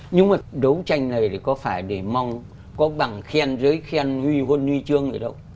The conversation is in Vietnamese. nhưng mà đấu tranh này thì có phải để mong có bằng khen giới khen huy hôn huy chương gì đâu